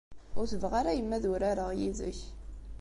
Ur tebɣi ara yemma ad urareɣ yid-k.